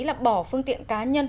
là bỏ phương tiện cá nhân